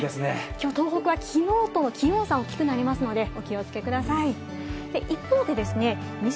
きょう東北は、きのうと気温差が大きくなるのでお気をつけください。